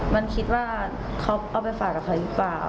มันคิดว่าเขาเอาไปฝากกับเขาหรือเปล่า